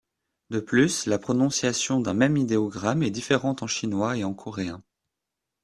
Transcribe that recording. De plus, la prononciation d'un même idéogramme est différente en chinois et en coréen.